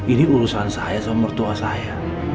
ini urusan saya sama mertua saya